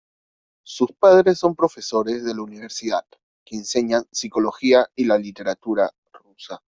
Sus padres son profesores de la Universidad, que enseñan psicología y la literatura rusa.